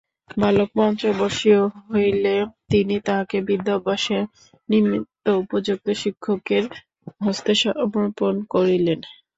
বালক পঞ্চমবর্ষীয় হইলে তিনি তাহাকে বিদ্যাভ্যাসের নিমিত্ত উপযুক্ত শিক্ষকের হস্তে সমর্পণ করিলেন।